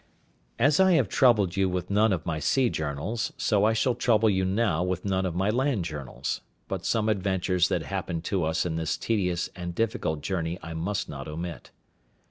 As I have troubled you with none of my sea journals, so I shall trouble you now with none of my land journals; but some adventures that happened to us in this tedious and difficult journey I must not omit.